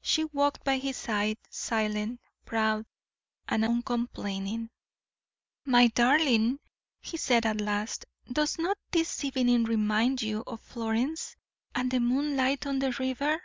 She walked by his side, silent, proud, and uncomplaining. "My darling," he said, at last, "does not this evening remind you of Florence, and the moonlight on the river?"